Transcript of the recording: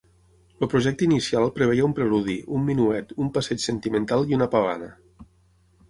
El projecte inicial preveia un preludi, un minuet, un passeig sentimental i una pavana.